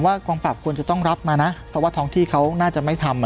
กองปราบควรจะต้องรับมานะเพราะว่าท้องที่เขาน่าจะไม่ทำ